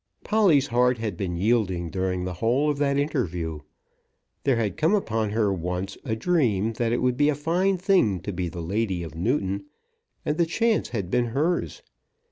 Polly's heart had been yielding during the whole of that interview. There had come upon her once a dream that it would be a fine thing to be the lady of Newton; and the chance had been hers.